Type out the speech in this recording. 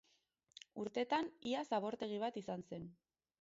Urtetan ia zabortegi bat izan zen.